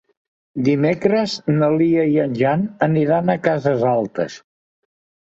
Dimecres na Lia i en Jan aniran a Cases Altes.